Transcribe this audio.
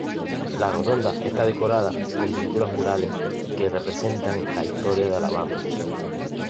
La rotonda está decorada con pinturas murales que representan la historia de Alabama.